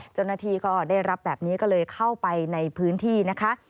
เจ้าหน้าที่ก็ได้รับแบบนี้ก็เลยเข้าไปในพื้นที่นะคะ